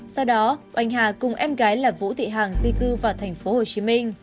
sau đó oanh hà cùng em gái là vũ thị hàng di cư vào tp hcm